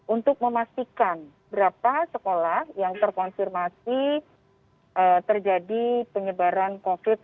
untuk memastikan berapa sekolah yang terkonfirmasi terjadi penyebaran covid sembilan belas